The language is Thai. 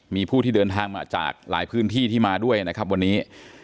มีผู้ที่เดินทางมาจากหลายพื้นที่ที่มาด้วยนะครับวันนี้